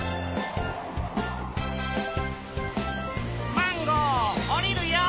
マンゴーおりるよ。